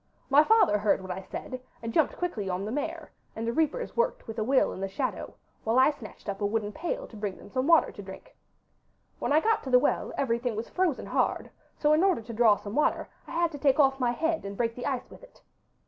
My father heard what I said and jumped quickly on the mare, and the reapers worked with a will in the shadow, while I snatched up a wooden pail to bring them some water to drink. When I got to the well everything was frozen hard, so in order to draw some water I had to take off my head and break the ice with it.